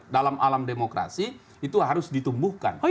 dalam alam demokrasi itu harus ditumbuhkan